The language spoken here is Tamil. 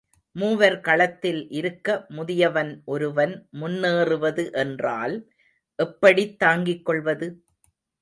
மூவர் களத்தில் இருக்க முதியவன் ஒருவன் முன்னேறு வது என்றால் எப்படித் தாங்கிக் கொள்வது?